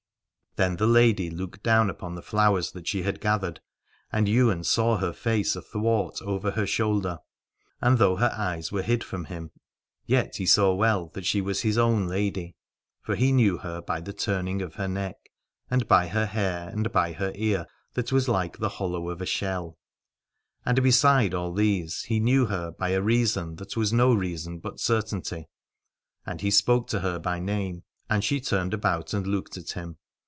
Then the lady looked down upon the flowers that she had gathered, and Ywain saw her face athwart, over her shoulder j and though her eyes were hid from him yet he saw well that she was his own lady. For he knew her by the turning of her neck, and by her hair, and by her ear that was like the hollow of a shell : and beside all these he knew her by a reason that was no reason but certainty. And he spoke to her by her name : and she turned her about and looked at him.